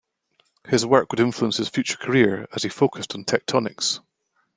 His work would influence his future career, as he focused on tectonics.